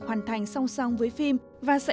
hoàn thành song song với phim và sẽ